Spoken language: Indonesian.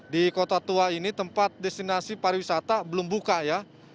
di kota tua ini tempat destinasi pariwisata belum buka ya